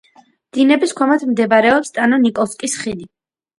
დინების ქვემოთ მდებარეობს სტარო-ნიკოლსკის ხიდი.